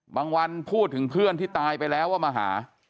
วันพูดถึงเพื่อนที่ตายไปแล้วว่ามาหา